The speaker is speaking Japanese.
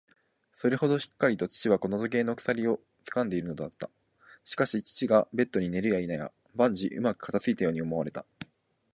それほどしっかりと父はこの時計の鎖をつかんでいるのだった。しかし、父がベッドに寝るやいなや、万事うまく片づいたように思われた。